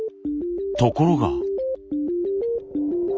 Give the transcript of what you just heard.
ところが。